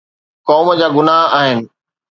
قوم جا گناهه آهن.